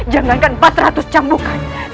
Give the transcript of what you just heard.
jangankan empat ratus cambukan